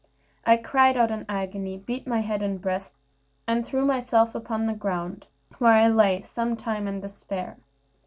I cried out in agony, beat my head and breast, and threw myself upon the ground, where I lay some time in despair.